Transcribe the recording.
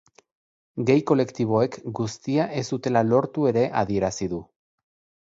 Gay kolektiboek guztia ez dutela lortu ere adierazi du.